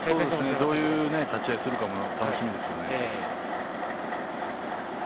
どういう立ち合いをするか楽しみですね。